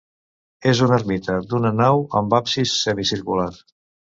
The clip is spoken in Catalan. És una ermita d'una nau amb absis semicircular.